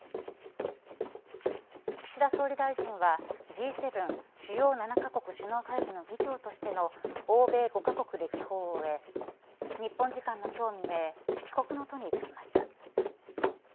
岸田総理大臣はＧ７主要７カ国首脳会議の議長としての欧米５カ国歴訪を終え日本時間の今日未明帰国の途に就きました。